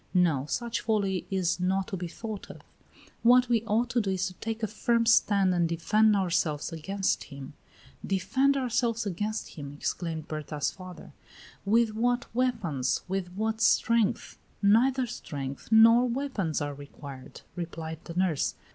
No; such folly is not to be thought of. What we ought to do is to take a firm stand and defend ourselves against him." "Defend ourselves against him!" exclaimed Berta's father. "With what weapons? With what strength?" "Neither strength nor weapons are required," replied the nurse.